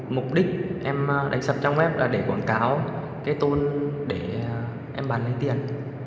mục đích em đánh sập trang web là để quảng cáo cái tôn để em bán lấy tiền